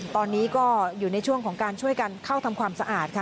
ตอนนี้ก็อยู่ในช่วงของการช่วยกันเข้าทำความสะอาดค่ะ